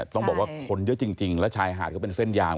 ต้องบอกว่าคนเยอะจริงแล้วชายหาดเขาเป็นเส้นยาว